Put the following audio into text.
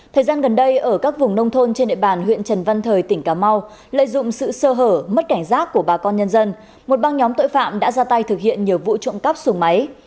thời gian gần đây ở các vùng nông thôn trên địa bàn huyện trần văn thời tỉnh cà mau lợi dụng sự sơ hở mất cảnh giác của bà con nhân dân một băng nhóm tội phạm đã ra tay thực hiện nhiều vụ trộm cắp sùng máy